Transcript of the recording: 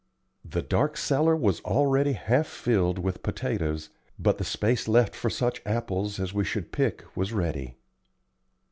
The dark cellar was already half filled with potatoes, but the space left for such apples as we should pick was ready.